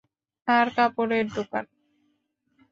আর কাপড়ের দোকান?